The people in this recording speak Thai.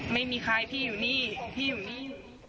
ไม่มีใครพี่อยู่นี่พี่อยู่นี่